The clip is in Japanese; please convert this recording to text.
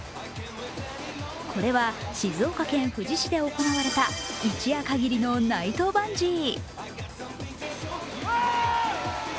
これは静岡県富士市で行われた一夜限りのナイトバンジー。